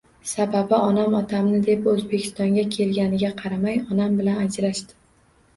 Sababi, onam otamni deb O`zbekistonga kelganiga qaramay, onam bilan ajrashdi